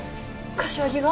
柏木が？